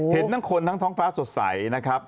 เห็นทั้งคนทั้งท้องฟ้าสดใสนะครับ